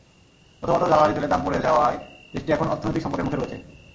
প্রথমত, জ্বালানি তেলের দাম পড়ে যাওয়ায় দেশটি এখন অর্থনৈতিক সংকটের মুখে রয়েছে।